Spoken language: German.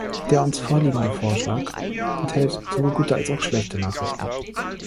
Der uns vorliegende Vorschlag enthält sowohl gute als auch schlechte Nachrichten.